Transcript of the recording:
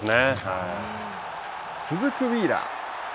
続くウィーラー。